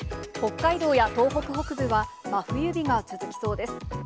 北海道や東北北部は真冬日が続きそうです。